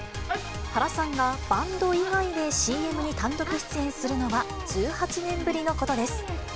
原さんがバンド以外でＣＭに単独出演するのは１８年ぶりのことです。